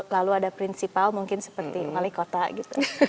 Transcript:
lalu ada prinsipal mungkin seperti malikota gitu